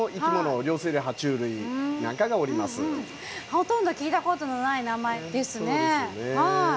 ほとんど聞いたことのない名前ですね。